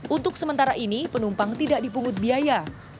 untuk sementara ini penumpang tidak dipungut biaya